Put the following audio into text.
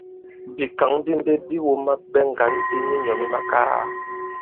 Bìkǎŋ bi mbe bi wōma ɓɛ ŋgǎn i minyɔ̌ mi makaa.